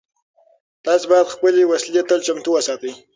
تاسو باید خپلې وسلې تل چمتو وساتئ.